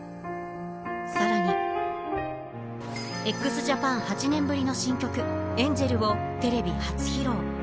さらに、ＸＪＡＰＡＮ８年ぶりの新曲、Ａｎｇｅｌをテレビ初披露。